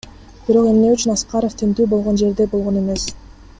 Бирок эмне үчүн Аскаров тинтүү болгон жерде болгон эмес?